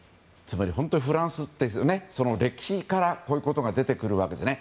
本当にフランスって歴史からこういうことが出てくるわけですね。